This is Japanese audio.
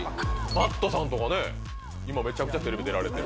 Ｍａｔｔさんとか今めちゃくちゃテレビ出られてる。